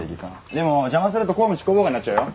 でも邪魔すると公務執行妨害になっちゃうよ。